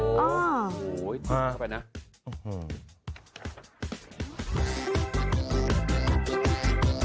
ถูกเข้าไปนะ